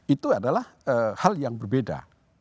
itu adalah hal yang berbeda